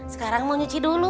sekarang mau nyuci dulu